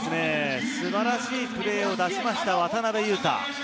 素晴らしいプレーを出しました、渡邊雄太。